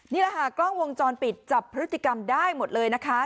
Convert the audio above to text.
นี่แหละค่ะกล้องวงจรปิดจับพฤติกรรมได้หมดเลยนะคะ